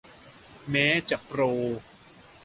แม้จะโปร